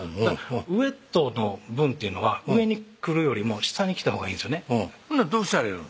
ウエットの分っていうのは上に来るよりも下に来たほうがいいんですよねほなどうしたらいいの？